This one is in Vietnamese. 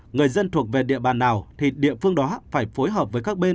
người dân thuộc về địa bàn nào thì địa phương đó phải phối hợp với các bên